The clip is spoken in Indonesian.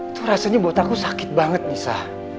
itu rasanya buat aku sakit banget bisa